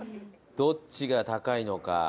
どっちが高いのか？